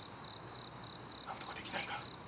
なんとかできないか？